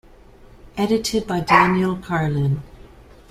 Edited by Daniel Karlin.